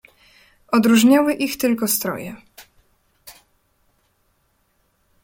"Odróżniały ich tylko stroje."